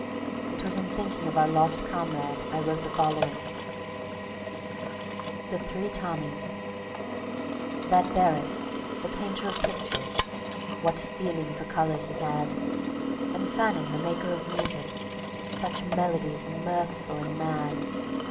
It was in thinking of our lost comrade I wrote the following: The Three Tommies That Barret, the painter of pictures, what feeling for color he had! And Fanning, the maker of music, such melodies mirthful and mad!